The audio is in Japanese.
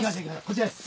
こちらです。